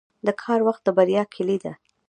• د کار وخت د بریا کلي ده.